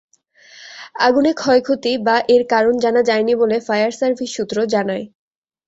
আগুনে ক্ষয়ক্ষতি বা এর কারণ জানা যায়নি বলে ফায়ার সার্ভিস সূত্র জানায়।